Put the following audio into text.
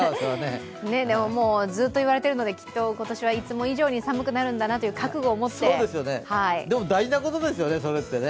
でもずっといわれているので、きっと今年はいつも以上に寒くなるんだろうなというでも、それって大事なことですよね。